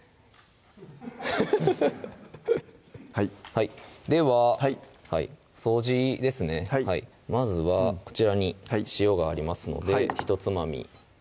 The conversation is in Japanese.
はいでは掃除ですねまずはこちらに塩がありますのでひとつまみ